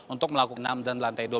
untuk melakukan enam dan lantai dua